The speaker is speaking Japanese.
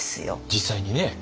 実際にね。